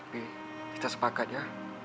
bi kita sepakat ya